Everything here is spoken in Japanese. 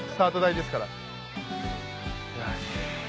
よし。